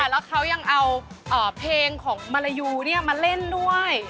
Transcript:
ใช่ค่ะแล้วเขายังเอาเพลงของมะละยูนี่มาเล่นด้วย